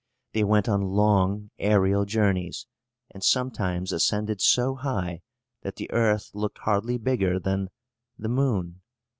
They went on long aërial journeys, and sometimes ascended so high that the earth looked hardly bigger than the moon.